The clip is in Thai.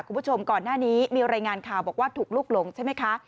คุณผู้ชมก่อนหน้านี้มีรายงานข่าวบอกว่าถูกลูกหลงใช่ไหมคะ